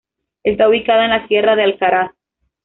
Está ubicada en la Sierra de Alcaraz.